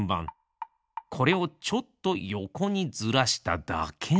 これをちょっとよこにずらしただけなのです。